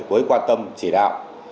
với quan tâm chỉ đạo